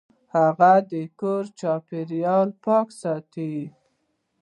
هغه د کور چاپیریال پاک ساته.